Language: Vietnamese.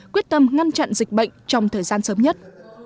quyết tâm ngăn chặn dịch bệnh trong thời gian sớm nhất